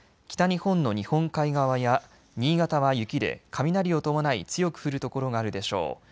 北日本の日本海側や新潟は雪で雷を伴い強く降る所があるでしょう。